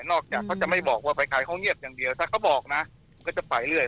จากเขาจะไม่บอกว่าไปใครเขาเงียบอย่างเดียวถ้าเขาบอกนะก็จะไปเรื่อย